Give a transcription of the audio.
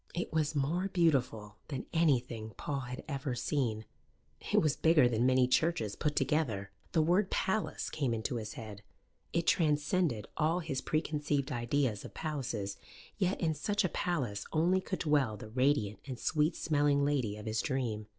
It was more beautiful than anything Paul had ever seen; it was bigger than many churches put together; the word "Palace" came into his head it transcended all his preconceived ideas of palaces: yet in such a palace only could dwell the radiant and sweet smelling lady of his dream.